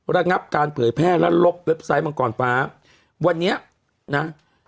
ระงับการเผยแพร่และลบเว็บไซต์มังกรฟ้าวันนี้นะ